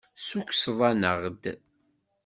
Tessukkseḍ-aneɣ-d.